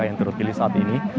yang terpilih saat ini